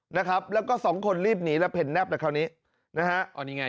นะครับแล้วก็สองคนรีบหนีแล้วเห็นแนบเลยคราวนี้นะฮะอ๋อนี่ไง